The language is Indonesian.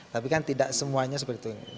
tapi kan tidak semuanya seperti itu